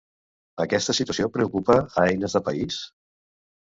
Aquesta situació preocupa a Eines de País?